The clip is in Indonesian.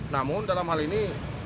namun dalam hal ini